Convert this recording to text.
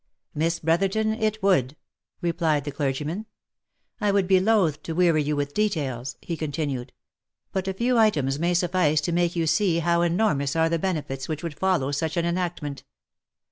" Miss Brotherton it would," replied the clergyman. e< I would be loath to weary you with details," he continued, " but a few items may suffice to make you see how enormous are the benefits which would follow such an enactment.